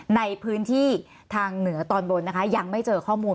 ในพื้นที่ทางเหนือตอนบนนะคะยังไม่เจอข้อมูล